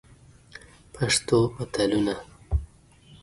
پښتو متلونه: